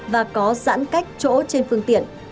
và có giãn cách chỗ trên phương tiện